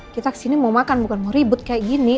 kita kesini mau makan bukan mau ribut kayak gini